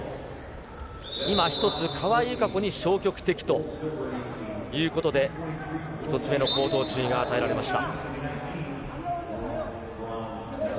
今、１つ、川井友香子に消極的ということで、１つ目の口頭注意が与えられました。